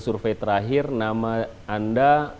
survei terakhir nama anda